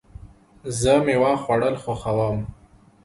زه مېوه خوړل خوښوم.